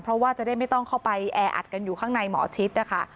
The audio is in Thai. เพราะว่าจะได้ไม่ต้องเข้าไปแออัดกันอยู่ข้างในหมอชิดนะคะ